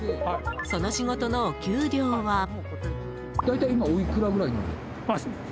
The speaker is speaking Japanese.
その仕事のお給料は。